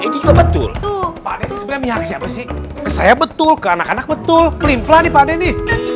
itu juga betul pak denny sebenarnya mihak siapa sih ke saya betul ke anak anak betul pelin pelan nih pak denny